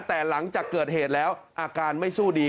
แต่หลังจากเกิดเหตุแล้วอาการไม่สู้ดี